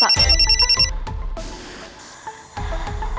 oh ini dia